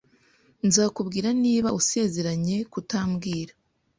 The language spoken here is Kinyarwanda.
Nzakubwira niba usezeranye kutabwira .